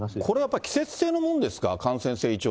これはやっぱり季節性のものですか？